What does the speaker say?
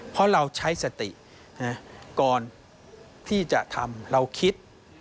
เพราะเราใช้สติก่อนที่จะทำเราคิด